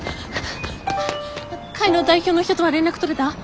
会の代表の人とは連絡取れた？